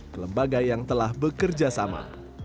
ke lembaga yang telah bekerja sama